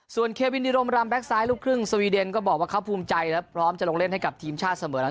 ส่วนเควินดิรมรำแก๊กซ้ายลูกครึ่งสวีเดนก็บอกว่าเขาภูมิใจและพร้อมจะลงเล่นให้กับทีมชาติเสมอ